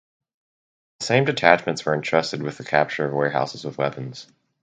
The same detachments were entrusted with the capture of warehouses with weapons.